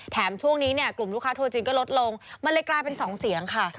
ช่วงนี้เนี่ยกลุ่มลูกค้าทัวร์จีนก็ลดลงมันเลยกลายเป็น๒เสียงค่ะ